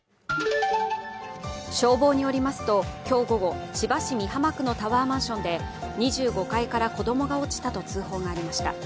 消防によりますと今日午後千葉市美浜区のタワーマンションで２５階から子供が落ちたと通報がありました。